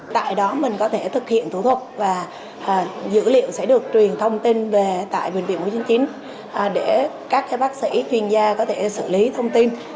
tại đó mình có thể thực hiện thủ thuật và dữ liệu sẽ được truyền thông tin về tại bệnh viện một trăm chín mươi chín để các bác sĩ chuyên gia có thể xử lý thông tin